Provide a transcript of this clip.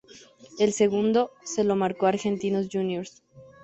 El segundo se lo marcó a Argentinos Juniors.